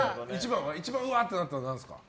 一番うわってなったのなんですか。